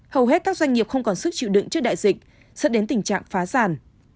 hầu hết các doanh nghiệp không còn sức chịu đựng trước đại dịch dẫn đến tình trạng phá sản